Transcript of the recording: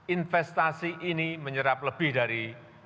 investasi ini menyerap lebih dari